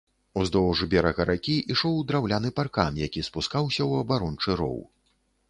Уздоўж берага ракі ішоў драўляны паркан, які спускаўся ў абарончы роў.